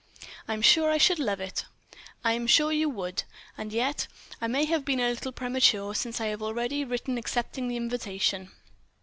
"I'm sure I should love it." "I am sure you would. And yet ... I may have been a little premature, since I have already written accepting the invitation."